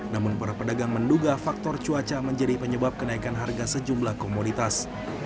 namun para pedagang menduga faktor cuaca menjadi penyebab kenaikan harga sejumlah komoditas